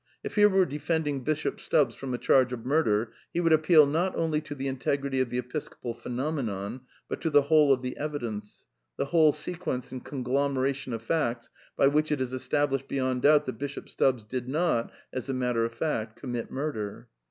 If he were defending Bishop Stubbs from a charge of murder, he would appeal, not only to the integrity of the episcopal phenomenon, but to the whole of the evidence, the whole sequence and conglomeration of facts by which it is es tablished beyond doubt that Bishop Stubbs did not, as a matter of fact, commit murder.